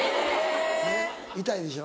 ねっイタいでしょ。